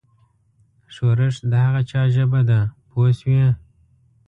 ښورښ د هغه چا ژبه ده پوه شوې!.